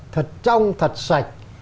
thật trong thật sạch